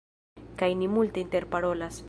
Kaj ni multe interparolas